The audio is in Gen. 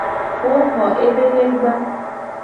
Wo ho ebe legba.